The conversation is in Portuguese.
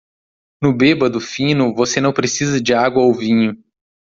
No bêbado fino você não precisa de água ou vinho.